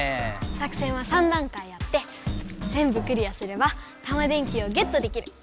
作戦は３だんかいあってぜんぶクリアすればタマ電Ｑをゲットできる。